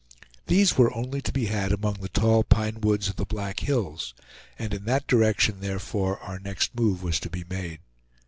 These were only to be had among the tall pine woods of the Black Hills, and in that direction therefore our next move was to be made.